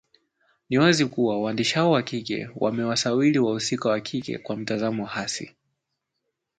ni wazi kuwa waandishi hao wa kike wamewasawiri wahusika wa kike kwa mtazamo hasi